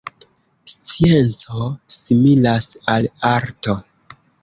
Scienco similas al arto.